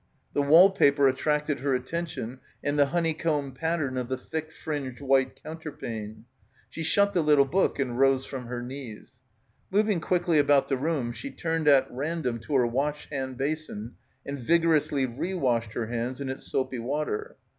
The wall paper attracted her attention and the honeycomb pattern of the thick fringed white counterpane. She shut the little book and rose from her knees. Moving quickly about the room, she turned at random to her washhand basin and vigorously rewashed her hands in its soapy water.